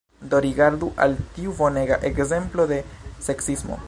Do, rigardu al tiu bonega ekzemplo de seksismo